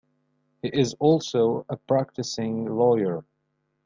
He is also a practicing lawyer.